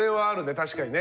確かにね。